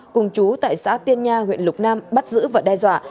cùng chú tại xã tiên nha huyện lục nam bắt giữ và đe dọa